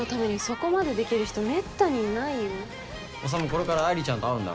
これから愛梨ちゃんと会うんだろ？